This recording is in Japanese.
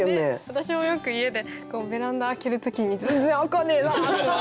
私もよく家でベランダ開ける時に全然開かねえなって。